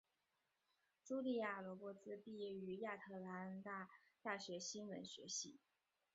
茱莉亚罗勃兹毕业于亚特兰大大学新闻学系。